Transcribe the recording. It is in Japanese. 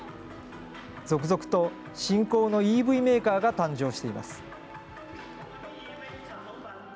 続々と新興のＥＶメーカーが誕生しています。